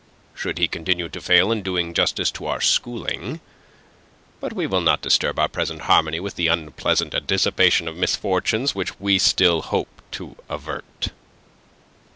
Should he continue to fail in doing justice to our schooling... But we will not disturb our present harmony with the unpleasant anticipation of misfortunes which we still hope to avert.